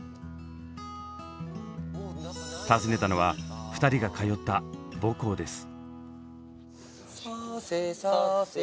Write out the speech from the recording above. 訪ねたのは２人が通った母校です。